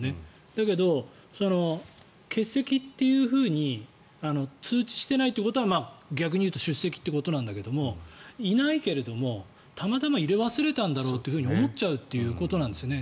だけど、欠席というふうに通知していないということは逆に言うと出席ということなんだけどいないけれどもたまたま入れ忘れたんだろうと思っちゃうということなんですよね。